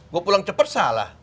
gue pulang cepat salah